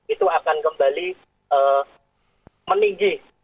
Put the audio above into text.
itu akan kembali meninggi